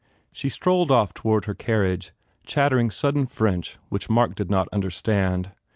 She strolled off toward her carriage, chattering sudden French which Mark did not understand.